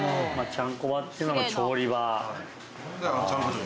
ちゃんこ場っていうのが調理場。